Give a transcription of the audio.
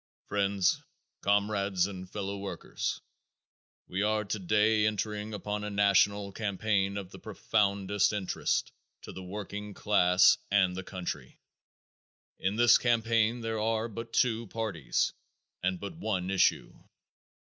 Friends, Comrades and Fellow Workers: We are today entering upon a national campaign of the profoundest interest to the working class and the country. In this campaign there are but two parties and but one issue.